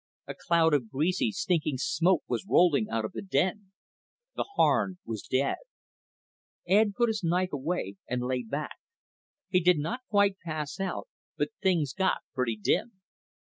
A cloud of greasy, stinking smoke was rolling out of the den. The Harn was dead. Ed put his knife away and lay back. He did not quite pass out, but things got pretty dim.